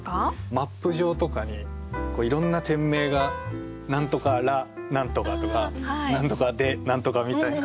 マップ上とかにいろんな店名が「なんとか・ラ・なんとか」とか「なんとか・デ・なんとか」みたいな。